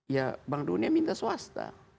ya bank dunia minta swasta